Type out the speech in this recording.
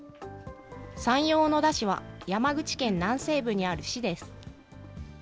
山陽小野田市は山口県南西部にある市です。